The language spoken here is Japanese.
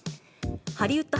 ハリウッド